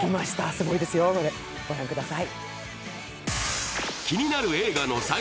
すごいですよ、これ、御覧ください。